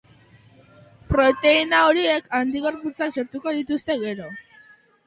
Proteina horiek antigorputzak sortuko dituzte gero.